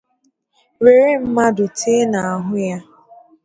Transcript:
wèré mmanụ tee n'ahụ ya.